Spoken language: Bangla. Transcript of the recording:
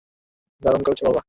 দারুণ করেছ, বাবা!